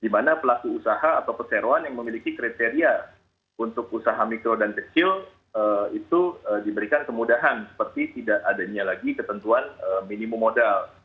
di mana pelaku usaha atau perseroan yang memiliki kriteria untuk usaha mikro dan kecil itu diberikan kemudahan seperti tidak adanya lagi ketentuan minimum modal